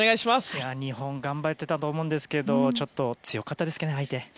日本頑張っていたと思うんですけどちょっと強かったですね、相手。